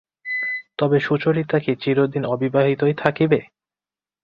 তবে সুচরিতা কি চিরদিন অবিবাহিতই থাকিবে?